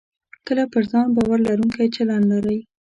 کله پر ځان باور لرونکی چلند لرئ